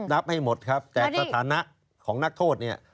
ให้หมดครับแต่สถานะของนักโทษเนี่ย